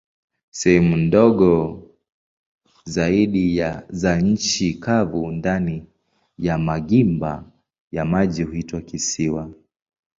Sehemu ndogo zaidi za nchi kavu ndani ya magimba ya maji huitwa kisiwa.